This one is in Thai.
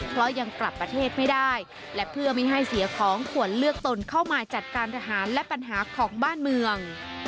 เพราะยังกลับประเทศไม่ได้และเพื่อไม่ให้เสียของควรเลือกตนเข้ามาจัดการทหารและปัญหาของบ้านเมือง